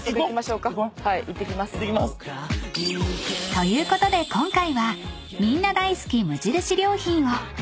［ということで今回はみんな大好き無印良品をサスティな！